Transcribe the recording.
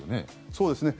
そうですね。